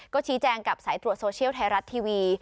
ก็ชี้แจงกับสายตรวจโซเชียลไทยรัฐทีวี